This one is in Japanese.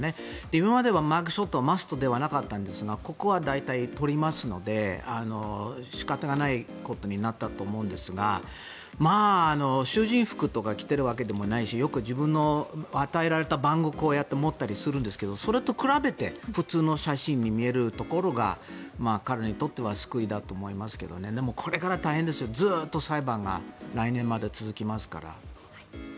今まではマグショットはマストではなかったんですがここは大体撮りますので仕方がないことになったと思うんですが囚人服とか着ているわけでもないしよく自分の与えられた番号をこうやって持ったりするんですがそれと比べて普通の写真に見えるところが彼にとっては救いだと思いますがでもこれから大変ですよねずっと裁判が来年まで続きますから。